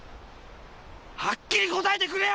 はっきり答えてくれよ！！